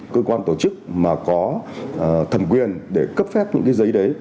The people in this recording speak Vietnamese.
cơ quan tổ chức mà có thẩm quyền để cấp phép những cái giấy đấy